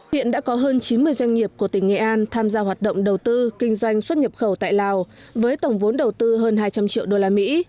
hiện đã có hơn chín mươi doanh nghiệp của tỉnh nghệ an tham gia hoạt động đầu tư kinh doanh xuất nhập khẩu tại lào với tổng vốn đầu tư hơn hai trăm linh triệu đô la mỹ